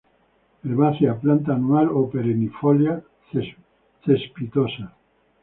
Herbácea, planta anual o perennifolia, cespitosa.